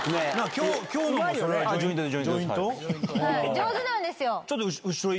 上手なんですよ。